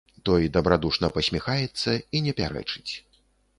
Той дабрадушна пасміхаецца і не пярэчыць.